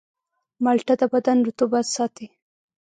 مالټه د بدن رطوبت ساتي.